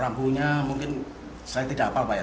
rambunya mungkin saya tidak hafal pak ya